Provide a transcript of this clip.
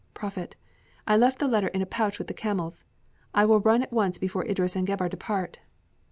(prophet) I left the letter in a pouch with the camels. I will run at once before Idris and Gebhr depart."